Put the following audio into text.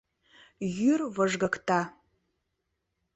Йӱр выжгыкта.